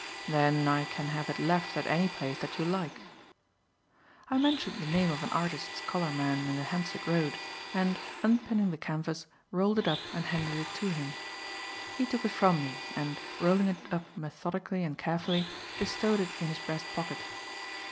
Then I can have it left at any place that you like." I mentioned the name of an artist's colourman in the Hampstead Road, and, unpinning the canvas, rolled it up and handed it to him. He took it from me and, rolling it up methodically and carefully, bestowed it in his breast pocket.